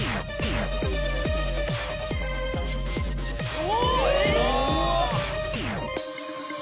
お！